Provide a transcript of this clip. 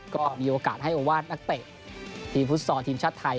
ก็มีโอกาสให้โอวาสนักเตะทีมฟุตซอลทีมชาติไทย